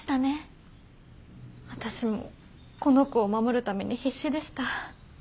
私もこの子を守るために必死でした。